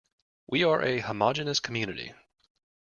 We are a homogeneous community.